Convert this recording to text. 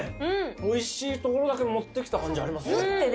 おいしいところだけ持ってきた感じありますね。